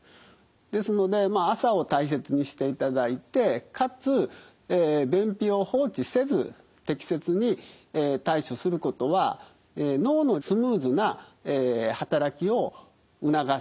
ですのでまあ朝を大切にしていただいてかつ便秘を放置せず適切に対処することは脳のスムーズな働きを促す。